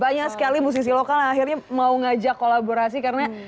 banyak sekali musisi lokal yang akhirnya mau ngajak kolaborasi karena